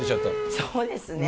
そうですね。